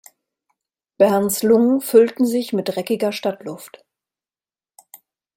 Bernds Lungen füllten sich mit dreckiger Stadtluft.